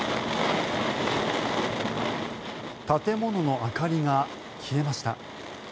建物の明かりが消えました。